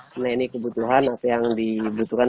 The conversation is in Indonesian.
melayani kebutuhan atau yang dibutuhkan